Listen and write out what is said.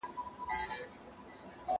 زه هره ورځ ونې ته اوبه ورکوم!.